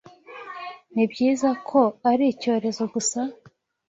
Nibyiza ko ari icyorezo gusa